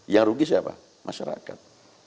yang rugi siapa masyarakat